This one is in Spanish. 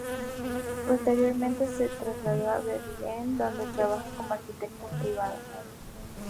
Posteriormente se trasladó a Bergen, donde trabajó como arquitecto privado.